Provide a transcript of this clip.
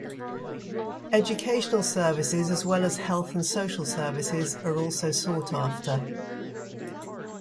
Educational services as well as health and social services are also sought after.